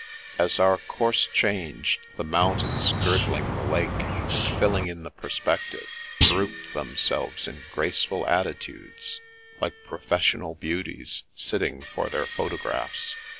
As our course changed, the mountains girdling the lake and filling in the perspective, grouped themselves in graceful attitudes, like professional beauties sitting for their photographs.